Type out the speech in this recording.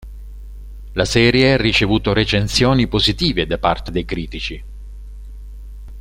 La serie ha ricevuto recensioni positive da parte dei critici.